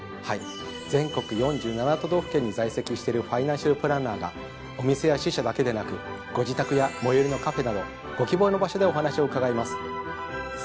全国４７都道府県に在籍してるファイナンシャルプランナーがお店や支社だけでなくご自宅や最寄りのカフェなどご希望の場所でお話を伺います。